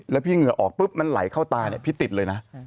แล้วพี่เหงื่อออกปุ๊บมันไหลเข้าตาเนี่ยพี่ติดเลยนะ